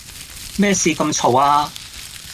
咩事咁嘈呀